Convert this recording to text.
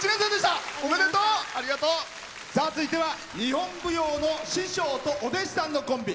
続いては日本舞踊の師匠とお弟子さんのコンビ。